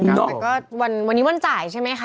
นะครับแต่ก็วันนี้วันจ่ายใช่มั้ยคะ